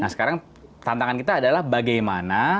nah sekarang tantangan kita adalah bagaimana